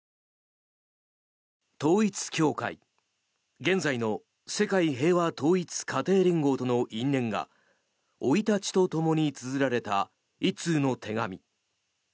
統一教会現在の世界平和統一家庭連合との因縁が生い立ちとともにつづられた１通の手紙。